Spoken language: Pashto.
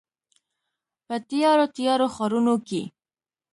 په تیارو، تیارو ښارونو کې